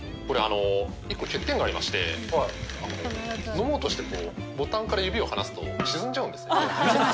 １個、欠点がありまして、飲もうとしてボタンから指を離すと沈んじゃうんですよ。